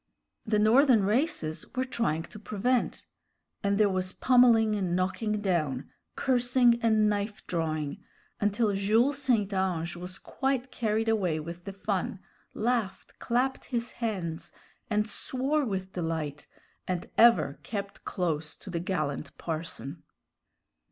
The Northern races were trying to prevent, and there was pommeling and knocking down, cursing and knife drawing, until Jules St. Ange was quite carried away with the fun, laughed, clapped his hands, and swore with delight, and ever kept close to the gallant parson.